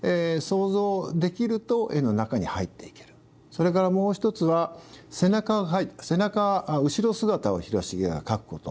それからもう一つは背中描いて背中後ろ姿を広重が描くこと。